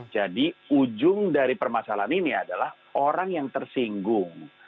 jadi ujung dari permasalahan ini adalah orang yang tersinggung